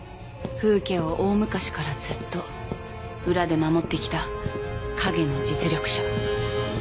フウ家を大昔からずっと裏で守ってきた陰の実力者。